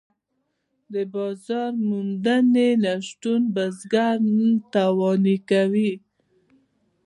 د بازار موندنې نشتون بزګر تاواني کوي.